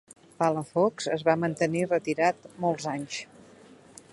Palafox es va mantenir retirat molts anys.